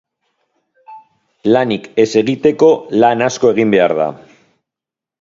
Lanik ez egiteko lan asko egin behar da.